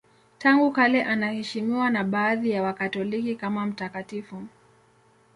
Tangu kale anaheshimiwa na baadhi ya Wakatoliki kama mtakatifu.